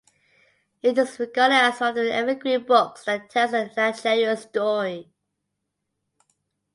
It is regarded as one of the evergreen books that tells the Nigerian story.